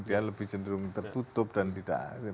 dia lebih cenderung tertutup dan tidak